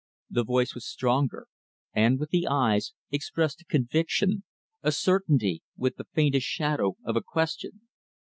The voice was stronger, and, with the eyes, expressed a conviction a certainty with the faintest shadow of a question.